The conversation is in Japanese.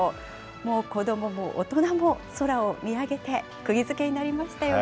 もう子どもも大人も空を見上げて、くぎづけになりましたよね。